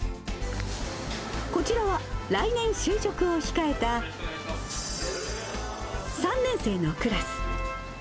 こちらは、来年就職を控えた３年生のクラス。